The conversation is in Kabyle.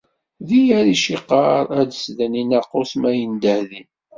Di yal iciqer ad d-slen i nnaqus mi yendeh din.